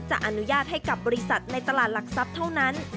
อนุญาตให้กับบริษัทในตลาดหลักทรัพย์เท่านั้น